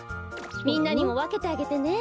みんなにもわけてあげてね。